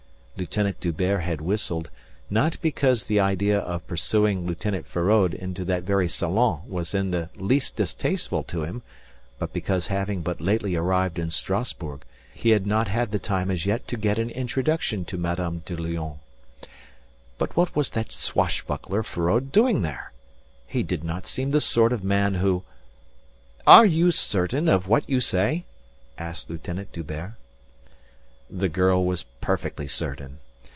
Lieutenant D'Hubert had whistled, not because the idea of pursuing Lieutenant Feraud into that very salon was in the least distasteful to him, but because having but lately arrived in Strasbourg he had not the time as yet to get an introduction to Madame de Lionne. And what was that swashbuckler Feraud doing there? He did not seem the sort of man who... "Are you certain of what you say?" asked Lieutenant D'Hubert. The girl was perfectly certain.